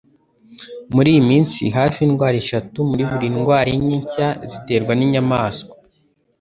Muri iyi minsi hafi indwara eshatu muri buri ndwara enye nshya ziterwa n'inyamaswa.